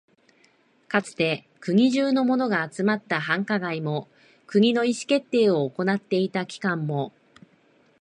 かつて国中のものが集まった繁華街も、国の意思決定を行っていた機関も、